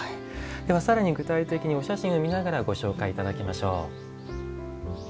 さらに具体的にお写真を見ながらご紹介いただきましょう。